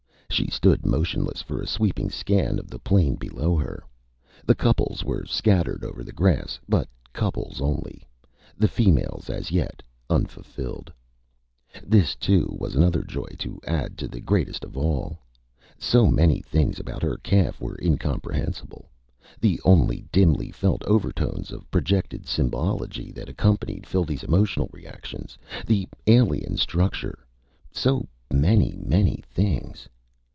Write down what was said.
She stood motionless for a sweeping scan of the plain below her. The couples were scattered over the grass but couples only, the females as yet unfulfilled. This, too, was another joy to add to the greatest of all. So many things about her calf were incomprehensible the only dimly felt overtones of projected symbology that accompanied Phildee's emotional reactions, the alien structure so many, many things.